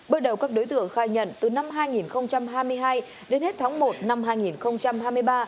bước đầu các đối tượng khai nhận từ năm hai nghìn hai mươi hai đến hết tháng một năm hai nghìn hai mươi ba